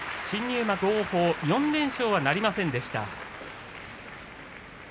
新入幕王鵬４連勝はなりませんでした。